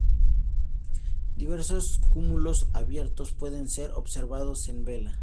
Diversos cúmulos abiertos pueden ser observados en Vela.